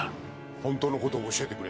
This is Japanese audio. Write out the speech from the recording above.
本当のことを教えてくれ。